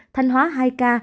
thanh hóa hai ca